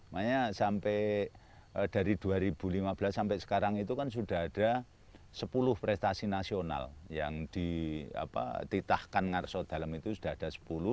makanya sampai dari dua ribu lima belas sampai sekarang itu kan sudah ada sepuluh prestasi nasional yang dititahkan ngarso dalam itu sudah ada sepuluh